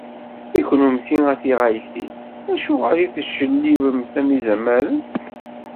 I kunemti, a tiɣaltin, acuɣer i tettjellibemt am yizamaren?